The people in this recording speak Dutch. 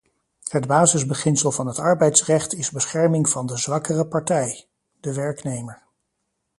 Het basisbeginsel van het arbeidsrecht is bescherming van de zwakkere partij - de werknemer.